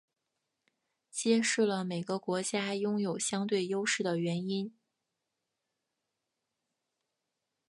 揭示了每个国家拥有相对优势的原因。